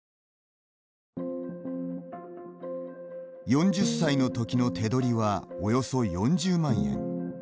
４０歳の時の手取りはおよそ４０万円。